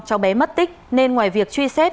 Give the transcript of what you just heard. cháu bé mất tích nên ngoài việc truy xét